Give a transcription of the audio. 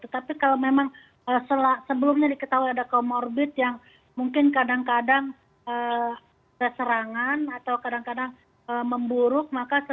tetapi kalau memang sebelumnya diketahui ada comorbid yang mungkin kadang kadang serangan atau kadang kadang memburuk